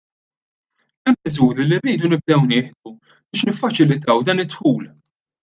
Hemm miżuri li rridu nibdew nieħdu biex niffaċilitaw dan id-dħul.